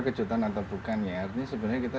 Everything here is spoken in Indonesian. kejutan atau bukan ya artinya sebenarnya kita